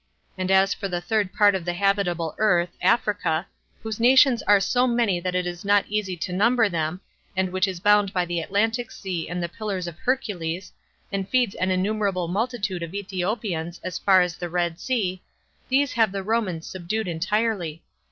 And as for the third part of the habitable earth, [Africa,] whose nations are so many that it is not easy to number them, and which is bounded by the Atlantic Sea and the pillars of Hercules, and feeds an innumerable multitude of Ethiopians, as far as the Red Sea, these have the Romans subdued entirely.